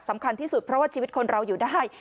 สำคัญที่สุดเพราะว่าชีวิตคนเราอยู่ได้